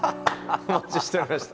お待ちしておりました。